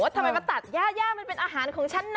ทำไมมาตัดย่าย่ามันเป็นอาหารของฉันนะ